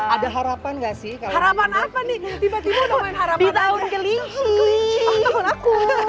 ada harapan nggak sih kalau harapan apa nih tiba tiba namanya harapan tahun kelingkik